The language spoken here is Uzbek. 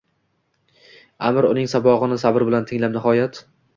Аmir uning sabogʼini sabr bilan tinglab, nihoyat: